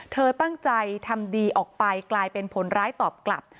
เธอตั้งใจทำดีออกไปกลายเป็นผลร้ายตอบกลับ